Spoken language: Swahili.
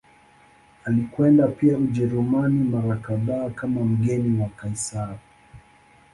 Alikwenda pia Ujerumani mara kadhaa kama mgeni wa Kaisari.